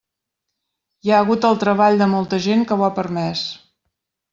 Hi ha hagut el treball de molta gent que ho ha permès.